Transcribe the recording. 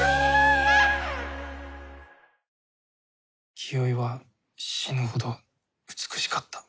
清居は死ぬほど美しかった。